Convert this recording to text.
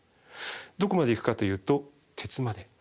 どこまでいくかというと鉄まで。